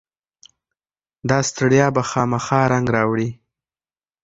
داستړیا به خامخا رنګ راوړي.